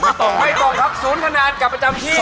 ไม่ตรงครับ๐คะแนนกับประจำที่